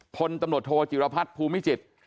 พลตำรวจโทจิรพัฒน์ภูมิจิตร